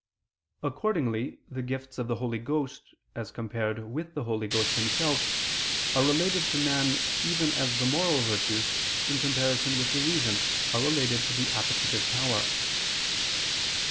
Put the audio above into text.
Accordingly the gifts of the Holy Ghost, as compared with the Holy Ghost Himself, are related to man, even as the moral virtues, in comparison with the reason, are related to the appetitive power.